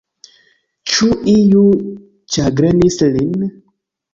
Ĉu iu ĉagrenis lin?